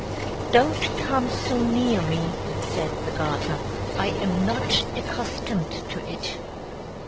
"Don't come so near me," said the garter: "I am not accustomed to it."